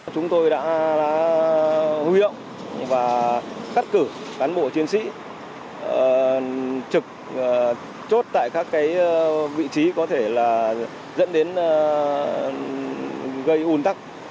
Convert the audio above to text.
chúng tôi đã hư hượng và khắc cử cán bộ chiến sĩ trực chốt tại các vị trí có thể dẫn đến gây ủn tắc